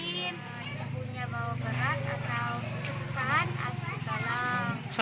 ibu ibunya bawa berat atau kesusahan asli kalah